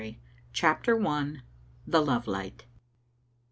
CHAPTER !• THE LOVE LIGHT.